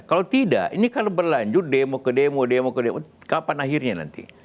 kalau tidak ini kalau berlanjut demo ke demo demo ke demo kapan akhirnya nanti